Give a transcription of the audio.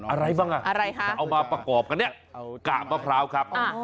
อะไรบ้างอ่ะอะไรคะเอามาประกอบกันเนี่ยกาบมะพร้าวครับ